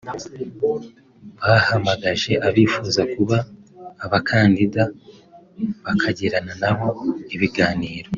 bahamagaje abifuza kuba abakandida bakagirana nabo ibiganiro